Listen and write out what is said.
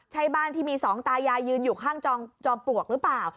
ใช่บ้านที่มีสองตายายยืนอยู่ข้างจอมปลวกหรือเปล่า